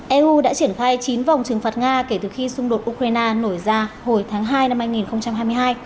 eu đã triển khai chín vòng trừng phạt nga kể từ khi xung đột ukraine nổi ra hồi tháng hai năm hai nghìn hai mươi hai